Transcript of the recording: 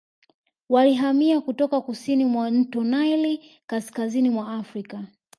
Walihamia kutoka kusini mwa mto Naili kaskazini mwa Afrika